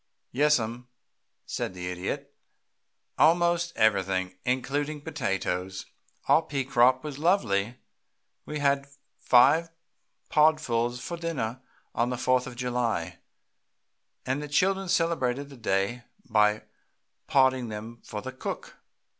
"Yes, ma'am," said the Idiot, "almost everything, including potatoes. Our pea crop was lovely. We had five podfuls for dinner on the Fourth of July, and the children celebrated the day by podding them for the cook.